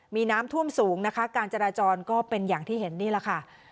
มีน้ำท่วมสูงนะคะการจราจรก็เป็นอย่างที่เห็นนี่แหละค่ะ